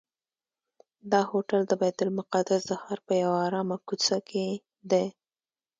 دا هوټل د بیت المقدس د ښار په یوه آرامه کوڅه کې دی.